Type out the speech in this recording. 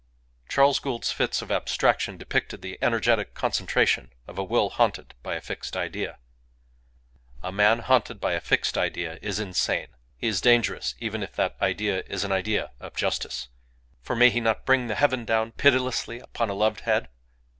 Charles Gould's fits of abstraction depicted the energetic concentration of a will haunted by a fixed idea. A man haunted by a fixed idea is insane. He is dangerous even if that idea is an idea of justice; for may he not bring the heaven down pitilessly upon a loved head?